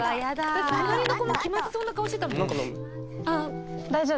だって隣の子も気まずそうな顔してたもん。